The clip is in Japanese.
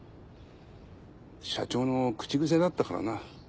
社長の口癖だったからな。